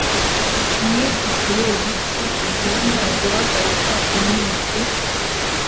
Ni ukubera iki ugomba guhagarika umwete,